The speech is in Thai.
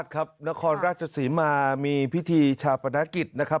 นครราชศรีมามีพิธีชาปนกิจนะครับ